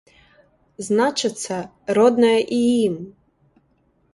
Значыцца, роднае і ім!